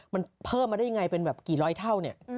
มันเพิ่มมาได้ยังไงเป็นแบบกี่ร้อยเท่าเนี่ย